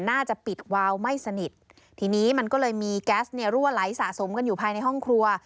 น่าจะปิดวาวไม่สนิททีนี้มันก็เลยมีแก๊สเนี่ยรั่วไหลสะสมกันอยู่ภายในห้องครัว